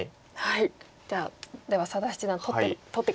じゃあでは佐田七段取って下さい。